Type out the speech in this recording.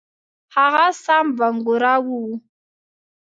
هغه سام بنګورا وو.